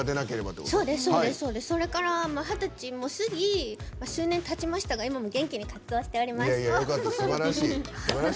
それから二十歳も過ぎ数年たちましたが今も元気に活動しております。